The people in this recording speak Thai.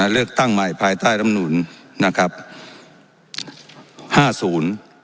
เลือกตั้งใหม่ภายใต้รำนุนนะครับห้าศูนย์